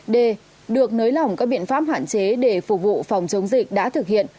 d được nới lỏng các biện pháp hạn chế để phục vụ phòng chống dịch đã thực hiện